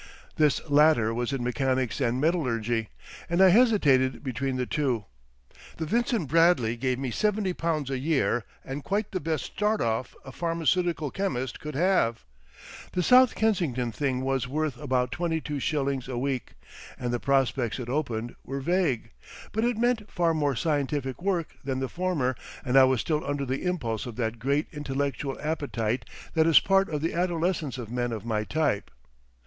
This latter was in mechanics and metallurgy; and I hesitated between the two. The Vincent Bradley gave me £70 a year and quite the best start off a pharmaceutical chemist could have; the South Kensington thing was worth about twenty two shillings a week, and the prospects it opened were vague. But it meant far more scientific work than the former, and I was still under the impulse of that great intellectual appetite that is part of the adolescence of men of my type.